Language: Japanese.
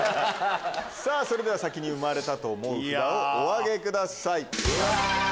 さぁ先に生まれたと思う札をお挙げください。